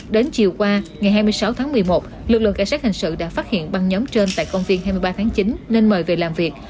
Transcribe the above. đến chiều qua ngày hai mươi sáu tháng một mươi một lực lượng cảnh sát hình sự đã phát hiện băng nhóm trên tại công viên hai mươi ba tháng chín nên mời về làm việc